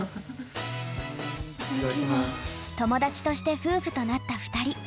友達として夫婦となった２人。